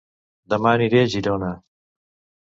Dema aniré a Girona